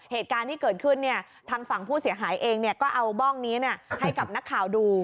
เหตุการณ์ที่เกิดขึ้นทางฝั่งผู้เสียหายเองก็เอาบ้องนี้ให้กับนักข่าวดู